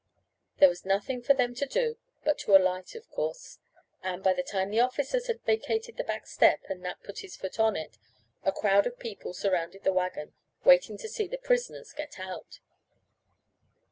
There was nothing for them to do but to alight of course, and, by the time the officers had vacated the back step, and Nat put his foot on it, a crowd of people surrounded the wagon waiting to see the "prisoners" get out.